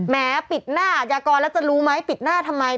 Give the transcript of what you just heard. แม้ปิดหน้าอาชญากรแล้วจะรู้ไหมปิดหน้าทำไม